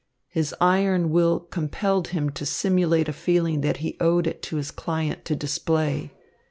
His iron will compelled him to simulate a feeling that he owed it to his client to display.